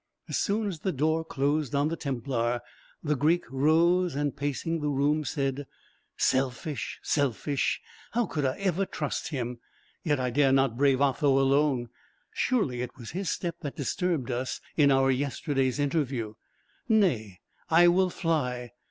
As soon as the door closed on the Templar, the Greek rose, and pacing the room, said, "Selfish, selfish! how could I ever trust him? Yet I dare not brave Otho alone. Surely it was his step that disturbed us in our yesterday's interview? Nay, I will fly.